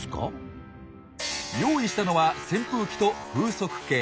用意したのは扇風機と風速計。